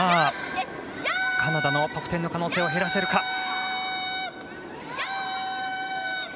カナダの得点の可能性を減らせるか。